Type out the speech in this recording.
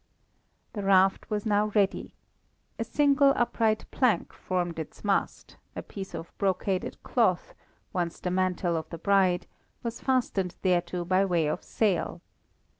The raft was now ready. A single upright plank formed its mast, a piece of brocaded cloth, once the mantle of the bride, was fastened thereto by way of sail.